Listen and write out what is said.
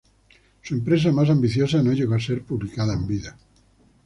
Su empresa más ambiciosa no llegó a ser publicada en vida.